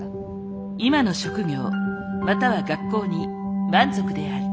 今の職業または学校に満足である。